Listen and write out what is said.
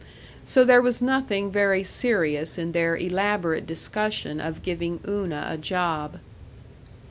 So there was nothing very serious in their elaborate discussion of giving Una a job.